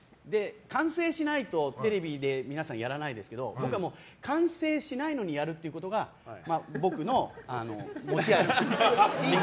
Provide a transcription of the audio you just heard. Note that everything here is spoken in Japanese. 完成しないとテレビで皆さんやらないですけど完成しないのにやるっていうことが僕の持ち味。